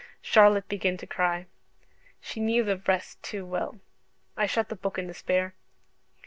Charlotte began to cry: she knew the rest too well. I shut the book in despair.